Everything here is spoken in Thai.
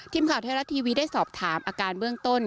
ทีมข่าวไทยรัฐทีวีได้สอบถามอาการเบื้องต้น